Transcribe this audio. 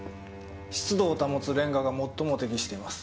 湿度を保つレンガが最も適しています。